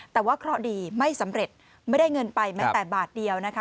แต่ว่าเคราะห์ดีไม่สำเร็จไม่ได้เงินไปแม้แต่บาทเดียวนะคะ